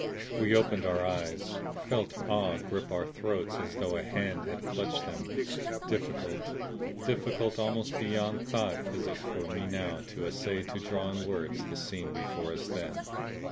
We opened our eyes, felt awe grip our throats as though a hand had clutched them. Difficult, difficult almost beyond thought is it for me now to essay to draw in words the scene before us then.